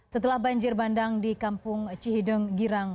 setelah banjir bandang di kampung cihideng girang